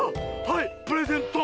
はいプレゼント！